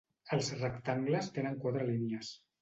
Els rectangles tenen quatre línies.